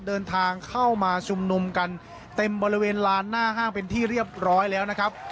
เดินทางเข้ามาชุมนุมกันเต็มบริเวณลานหน้าห้างเป็นที่เรียบร้อยแล้วนะครับ